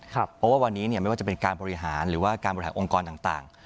เพราะว่าวันนี้ไม่ว่าจะเป็นการบริหารหรือว่าการบริหารองค์กรต่าง